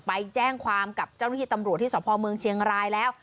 ไปแจ้งความกับเจ้าหน้าที่ตำรวจที่สพเมืองเชียงรายแล้ว